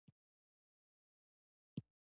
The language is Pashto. آمو سیند د افغان کلتور په داستانونو کې راځي.